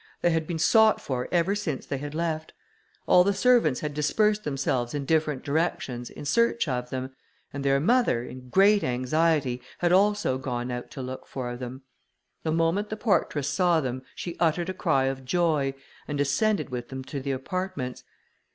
They had been sought for ever since they had left. All the servants had dispersed themselves in different directions in search of them; and their mother, in great anxiety, had also gone out to look for them. The moment the portress saw them, she uttered a cry of joy, and ascended with them to the apartments.